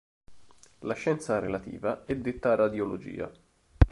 La scienza relativa è detta radiologia.